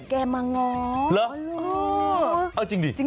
แกมาง้อเหรอ